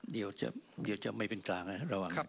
เดี๋ยวจะไม่เป็นกลางนะระวัง